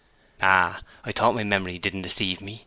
"Ah, I thought my memory didn't deceive me!"